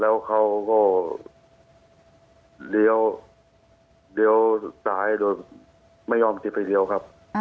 แล้วเขาก็เลี้ยวสุดท้ายโดยไม่ยอมติดไปเลี้ยวครับ